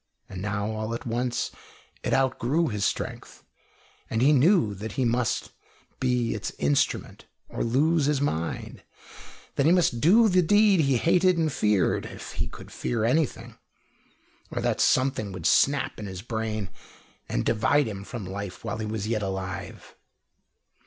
And now all at once it outgrew his strength, and he knew that he must be its instrument or lose his mind that he must do the deed he hated and feared, if he could fear anything, or that something would snap in his brain and divide him from life while he was yet alive.